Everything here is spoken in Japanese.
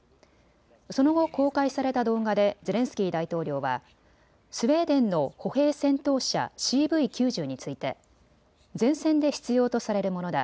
その後、公開された動画でゼレンスキー大統領はスウェーデンの歩兵戦闘車ＣＶ９０について前線で必要とされるものだ。